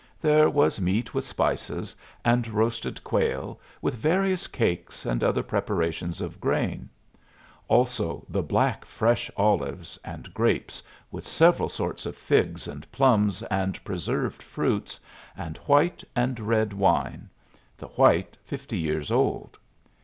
There was meat with spices, and roasted quail, with various cakes and other preparations of grain; also the black fresh olives, and grapes, with several sorts of figs and plums, and preserved fruits, and white and red wine the white fifty years old.